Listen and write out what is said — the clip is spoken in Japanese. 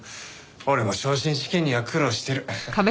俺も昇任試験には苦労してる。